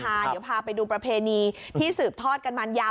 เดี๋ยวพาไปดูประเพณีที่สืบทอดกันมายาว